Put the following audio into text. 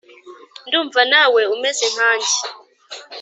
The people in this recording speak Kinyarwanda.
ndumva nawe umeze nkange.